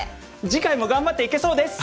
次回も頑張っていけそうです！